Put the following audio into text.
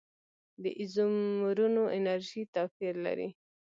د ایزومرونو انرژي توپیر لري.